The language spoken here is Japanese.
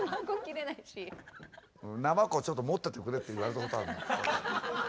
「ナマコちょっと持っててくれ」って言われたことあるの。